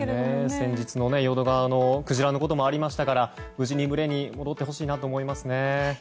先日の淀川のクジラのこともありましたから無事に群れに戻ってほしいなと思いますね。